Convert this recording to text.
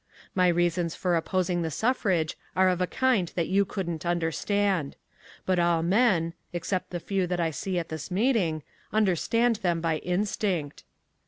My reasons for opposing the suffrage are of a kind that you couldn't understand. But all men, except the few that I see at this meeting, understand them by instinct.